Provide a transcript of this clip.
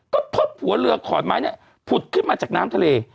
ก็พบหัวเรือขอนไม้เนี่ยผุดขึ้นมาจากน้ำทะเล